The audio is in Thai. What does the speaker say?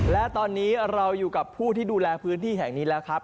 และตอนนี้เราอยู่กับผู้ที่ดูแลพื้นที่แห่งนี้แล้วครับ